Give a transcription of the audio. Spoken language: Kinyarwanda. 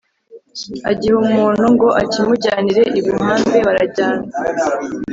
agiha umuntu ngo akimujyanire i Buhambe; barajyana.